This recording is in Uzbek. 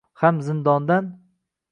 Ham zindondan